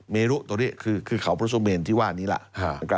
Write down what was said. เมรุตัวนี้คือข่าวพระสุเมณที่ว่านี่แหละ